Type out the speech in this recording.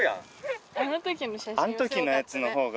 あの時のやつの方が。